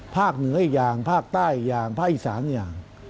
เหนืออีกอย่างภาคใต้อย่างภาคอีสานอย่าง